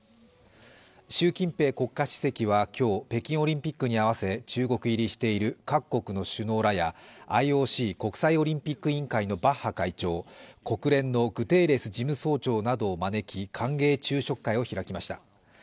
習近平国家主席は今日、北京オリンピックに合わせ中国入りしている各国の首脳らやＩＯＣ＝国際オリンピック委員会のバッハ会長、国連のグテーレス事務総長などを招き、歓迎昼食会を開きました。